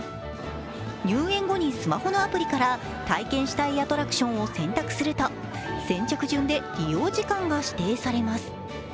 入園後にスマホのアプリから体験したいアトラクションを選択すると、先着順で利用時間が指定されます。